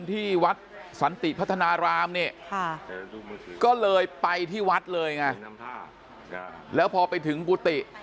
ที่วัดสันติพัฒนารามเนี่ยก็เลยไปที่วัดเลยไงแล้วพอไปถึงกุฏิ